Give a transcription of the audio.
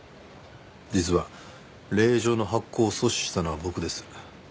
実は令状の発行を阻止したのは僕です。